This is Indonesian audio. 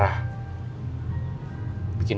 ini di sini